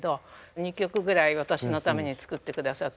２曲ぐらい私のために作ってくださって。